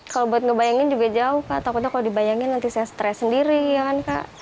kalau buat ngebayangin juga jauh kak takutnya kalau dibayangin nanti saya stres sendiri ya kan kak